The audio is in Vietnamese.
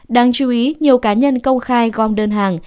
đáng chú ý nhiều cá nhân công khai gom đơn hàng